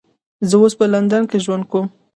زه اوس په لندن کې ژوند کوم